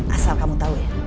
asal kamu tau ya